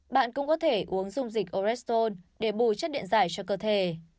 bạn cũng có thể uống dung dịch orestol để bùi chất điện dài cho cơ thể